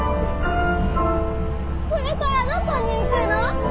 これからどこに行くの？